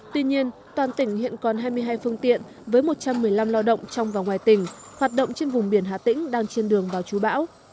tuy nhiên toàn tỉnh hiện còn hai mươi hai phương tiện với một trăm một mươi năm lo động trong và ngoài tỉnh hoạt động trên vùng biển hà tĩnh đang trên đường vào chú bão